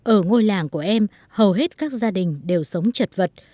ở ngôi làng của em hầu hết các gia đình đều sống chật vật